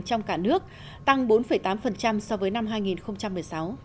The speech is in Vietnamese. trong cả nước tăng bốn tám so với năm hai nghìn một mươi sáu